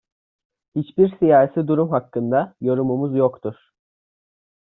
Hiçbir siyasi durum hakkında yorumumuz yoktur.